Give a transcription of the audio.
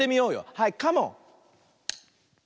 はいカモン！